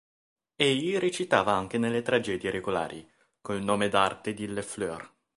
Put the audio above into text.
Egli recitava anche nelle tragedie regolari, con il nome d'arte di Le Fleur.